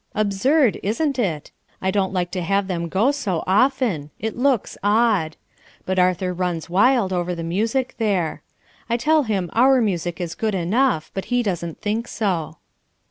Absurd, isn't it? I don't like to have them go so often. It looks odd. But Arthur runs wild over the music there. I tell him our music is good enough, but he doesn't think so."